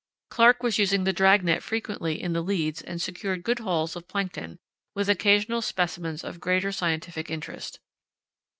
Clark was using the drag net frequently in the leads and secured good hauls of plankton, with occasional specimens of greater scientific interest.